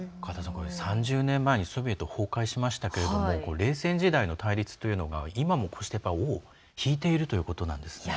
３０年前にソビエト崩壊しましたけども冷戦時代の対立というのが今も尾を引いているということなんですね。